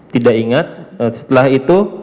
tidak ingat setelah itu